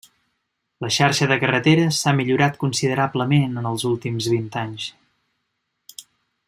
La xarxa de carreteres s'ha millorat considerablement en els últims vint anys.